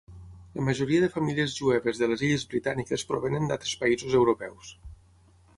La majoria de famílies jueves de les Illes Britàniques provenen d'altres països europeus.